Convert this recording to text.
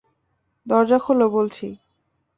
দরজা খোল বলছি।